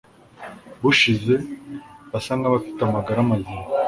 bushize, basa nk’abafite amagara mazima.